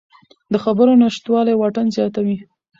د خبرو نشتوالی واټن زیاتوي